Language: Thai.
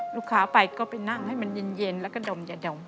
ลูกค้าไปก็ไปนั่งให้มันเย็นแล้วก็ดมอย่าดม